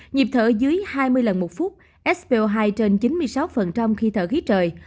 nhịp thở dưới hai mươi lần một phút sp hai trên chín mươi sáu khi thở khí trời